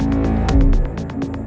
aku mau ke rumah